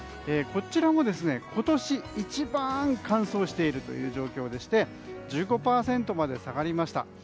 こちらも今年一番乾燥しているという状況でして１５％まで下がりました。